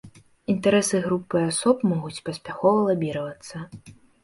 Інтарэсы групы асоб могуць паспяхова лабіравацца.